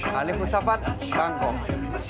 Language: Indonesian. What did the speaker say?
saya mustafa selamat berjalan